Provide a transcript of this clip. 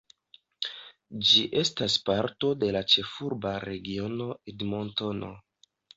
Ĝi estas parto de la Ĉefurba Regiono Edmontono.